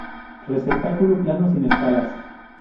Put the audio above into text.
Receptáculo plano, sin escalas.